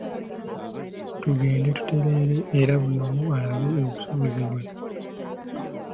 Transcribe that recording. Tugenda tutereera era buli omu alaba obusobozi bwaffe.